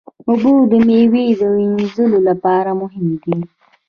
اوبه د میوې وینځلو لپاره مهمې دي.